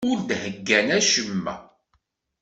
Ur d-heyyan acemma.